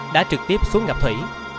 đã trực tiếp xuống gặp thủy